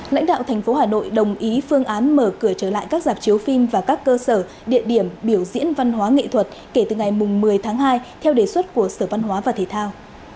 lãnh đạo thành phố hà nội đồng ý phương án mở cửa trở lại các dạp chiếu phim và các cơ sở địa điểm biểu diễn văn hóa nghệ thuật kể từ ngày một mươi tháng hai theo đề xuất của sở văn hóa và thể thao